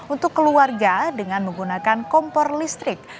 untuk keluarga dengan menggunakan kompor listrik